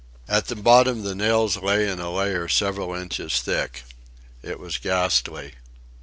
At the bottom the nails lay in a layer several inches thick. It was ghastly.